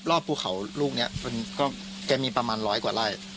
ภูเขาลูกนี้แกมีประมาณร้อยกว่าไร่